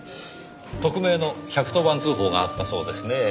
匿名の１１０番通報があったそうですねぇ。